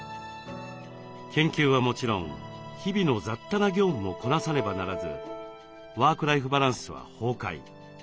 研究はもちろん日々の雑多な業務もこなさねばならずワークライフバランスは崩壊。